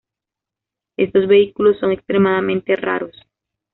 Estos vehículos son extremadamente raros.